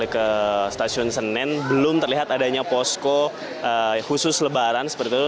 jadi ini pada waktu dosis stasiun senin belum terlihat adanya posko khusus lebaran seperti itu